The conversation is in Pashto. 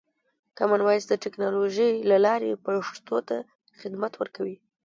کامن وایس د ټکنالوژۍ له لارې پښتو ته خدمت ورکوي.